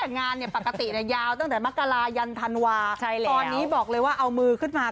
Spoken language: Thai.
งานเนี้ยปกติเนี้ยยาวตั้งแต่มะกะลายันทันวาใช่แล้วตอนนี้บอกเลยว่าเอามือขึ้นมา